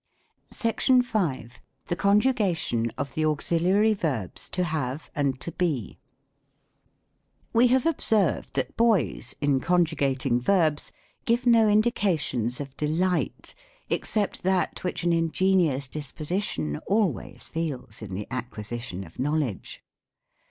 SECTION V. THE CONJUGATION OF THE AUXILIARY VERBS To HaVE AND To Be. We have observed that boys, in conjugating verbs, give no indications of delight, except that which an in genious disposition always feels in the acquisition of knowledge.